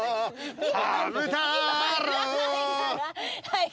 はい。